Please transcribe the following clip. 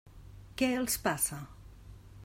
Què els passa?